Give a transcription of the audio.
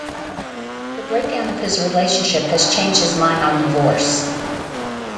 The breakdown of his relationship has changed his mind on divorce.